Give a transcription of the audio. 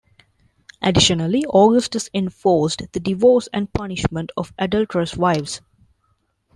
Additionally, Augustus enforced the divorce and punishment of adulterous wives.